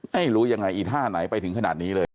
ไม่รู้ยังไงอีท่าไหนไปถึงขนาดนี้เลย